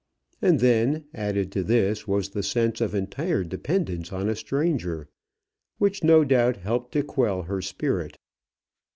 And then, added to this, was the sense of entire dependence on a stranger, which, no doubt, helped to quell her spirit.